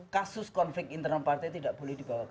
kasus konflik internal partai tidak boleh dibawa ke kpu